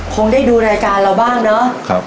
คงได้ดูรายการเราบ้างเนาะ